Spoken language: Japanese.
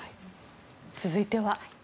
続いては。